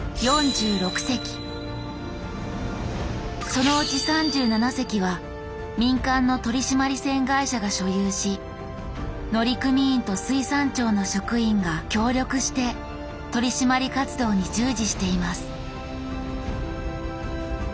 そのうち３７隻は民間の取締船会社が所有し乗組員と水産庁の職員が協力して取締り活動に従事しています。